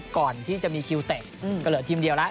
ก่อนที่จะมีคิวเตะก็เหลือทีมเดียวแล้ว